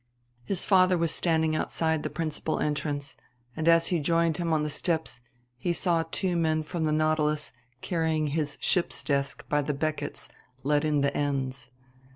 His father was standing outside the principal entrance; and, as he joined him on the steps, he saw two men from the Nautilus carrying his ship's desk by the beckets let in the ends.